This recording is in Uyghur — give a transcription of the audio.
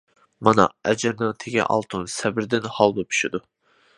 مانا ئەجرىنىڭ تېگى ئالتۇن، سەبرىدىن ھالۋا پىشىدۇ.